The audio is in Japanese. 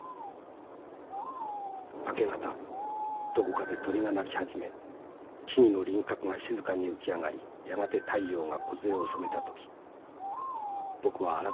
明け方どこかで鳥が鳴き始め木々の輪郭が静かに浮き上がりやがて太陽がこずえを染めた時僕は改めてがく然としたものだ。